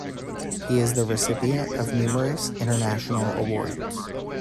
He is the recipient of numerous international awards.